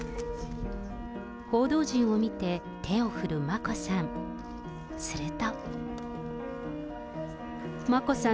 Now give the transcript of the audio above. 報道陣を見て、手を振る眞子さん。